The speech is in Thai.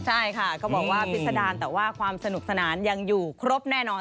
ใช่ค่ะเขาบอกว่าพิษดารแต่ว่าความสนุกสนานยังอยู่ครบแน่นอน